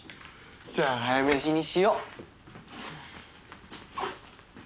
じゃあ早飯にしよう。